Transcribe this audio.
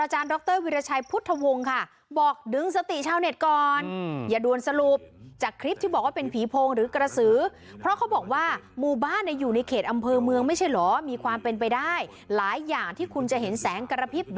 ดรวิราชัยพุทธวงศ์ค่ะบอกดึงสติชาวเน็ตก่อนอย่าดวนสรุปจากคลิปที่บอกว่าเป็นผีโพงหรือกระสือเพราะเขาบอกว่าหมู่บ้านอยู่ในเขตอำเภอเมืองไม่ใช่เหรอมีความเป็นไปได้หลายอย่างที่คุณจะเห็นแสงกระพริบ